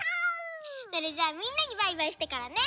それじゃあみんなにバイバイしてからね。